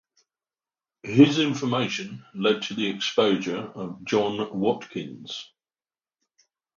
His information led to the exposure of John Watkins.